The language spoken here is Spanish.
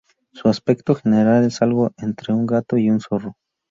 Su aspecto general es algo entre un gato y un zorro.